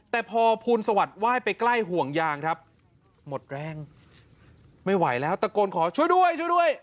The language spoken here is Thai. แต่พอภูลสวัสดิ์ไหว้ไปใกล้ห่วงยางครับหมดแรงไม่ไหวแล้วตะโกนขอช่วยด้วยช่วยด้วย